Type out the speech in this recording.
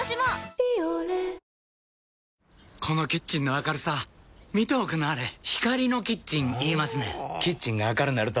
このキッチンの明るさ見ておくんなはれ光のキッチン言いますねんほぉキッチンが明るなると・・・